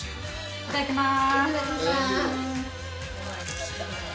いただきます。